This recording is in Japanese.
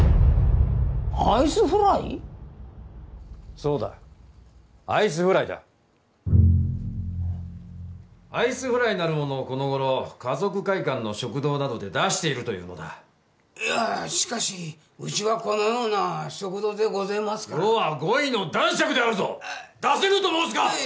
そうだアイスフライだアイスフライなるものをこの頃華族会館の食堂などで出しているというのだしかしうちはこのような食堂でごぜえますから余は五位の男爵であるぞ出せぬと申すか！